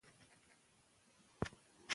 او مومن انسان هیڅ وخت دوه مخې نه وي